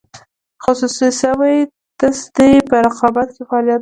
خصوصي شوې تصدۍ په رقابت کې فعالیت کوي.